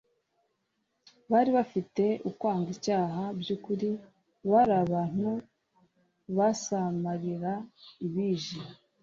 batari bafite ukwanga icyaha by'ukuri. Bari abantu, basamarira ibije.